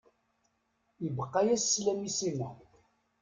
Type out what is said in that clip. Ibeqqa-yas slam i Sima.